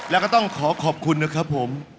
แล้วก็ต้องขอขอบคุณนะครับผม